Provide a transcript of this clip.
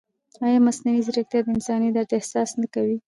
ایا مصنوعي ځیرکتیا د انساني درد احساس نه کوي؟